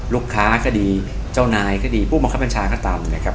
ลูกค้าก็ดีเจ้านายก็ดีผู้บังคับบัญชาก็ตามนะครับ